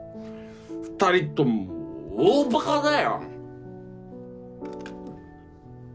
２人とも大バカだよ！